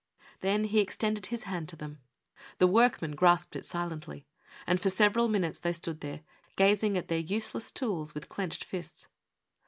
Then lie extended his hand to them. The workmen grasped it silently. And for several minutes they stood there, gazing at their useless tools, with clenched fists.